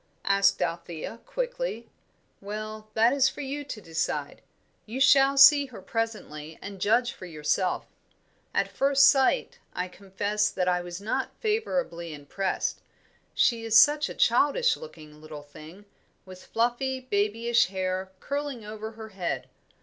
asked Althea, quickly. "Well, that is for you to decide. You shall see her presently and judge for yourself. At first sight I confess that I was not favourably impressed she is such a childish looking little thing, with fluffy, babyish hair curling over her head.